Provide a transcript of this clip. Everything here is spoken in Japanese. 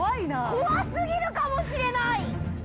◆怖すぎるかもしれない。